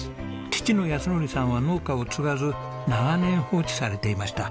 父の泰徳さんは農家を継がず長年放置されていました。